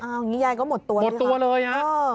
เอางี้ยายก็หมดตัวนะคะ